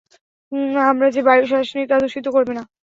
আমরা যে বায়ু শ্বাস নিই তা দূষিত করবে না!